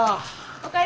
お帰り。